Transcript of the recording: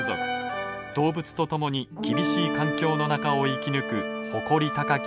動物と共に厳しい環境の中を生き抜く誇り高き